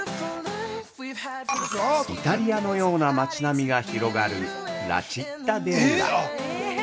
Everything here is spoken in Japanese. ◆イタリアのような町並みが広がる、ラチッタデッラ。